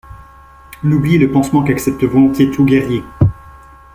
L’oubli est le pansement qu’accepte volontiers tout guerrier.